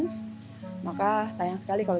efektivitas terapi ini memang sangat tinggi